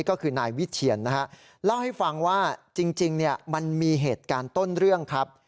ก็คือนายวิเชียนนะฮะเล่าให้ฟังว่าจริงมันมีเหตุการณ์ต้นเรื่องครับ